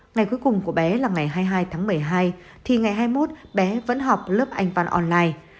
ngày cuối cùng của bé là ngày hai mươi hai tháng một mươi hai thì ngày hai mươi một bé vẫn học lớp anh văn online